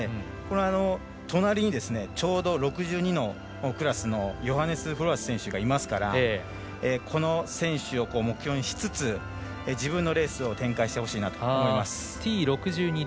隣に、ちょうど６２のクラスのヨハネス・フロアスがいますからこの選手を目標にしつつ自分のレースを展開してほしいなと思います。